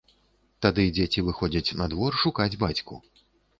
Тады дзеці выходзяць на двор шукаць бацьку.